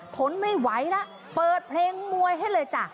ทนไม่ไหวแล้วเปิดเพลงมวยให้เลยจ้ะ